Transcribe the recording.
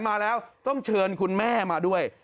มาแล้วต้องเชิญคุณแม่มาด้วย